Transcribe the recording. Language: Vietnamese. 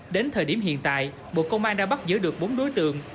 đến thời điểm hiện tại bộ công an đã bắt giữ được bốn đối tượng